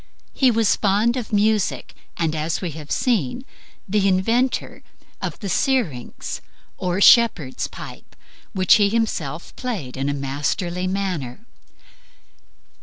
He was fond of music, and as we have seen, the inventor of the syrinx, or shepherd's pipe, which he himself played in a masterly manner.